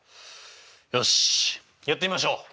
よしやってみましょう！